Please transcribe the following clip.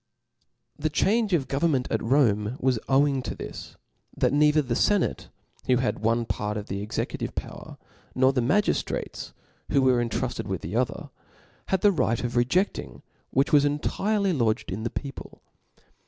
The change of government at Rome was owing to this, that neither the fenate who had one part of the executive power, nor the magiftrates who were rntrufted with the other, had the right of reje£ling, which was entirely lodged in the people.